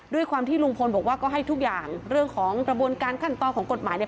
ด้วยความที่ลุงพลบอกว่าก็ให้ทุกอย่างเรื่องของกระบวนการขั้นตอนของกฎหมายเนี่ย